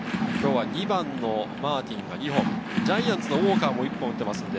２番のマーティンは２本、ジャイアンツのウォーカーも１本打っています。